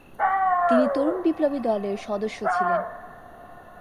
তিনি তরুণ-বিপ্লবী দলের সদস্য ছিলেন।